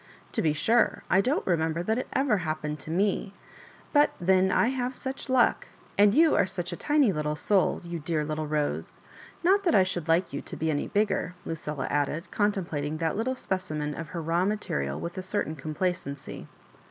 To be sure, I don't remember that it ever happened to me ; but then I have such luck — ^and you are such a tiny little soul, you dear little Rose. Not that I should like you to be any bigger," Lucilla added, contemplating that little specimen of her raw material with a certain complacency.